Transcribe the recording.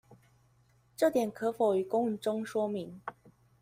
這點可否於公文中說明